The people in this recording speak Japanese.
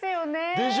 でしょ！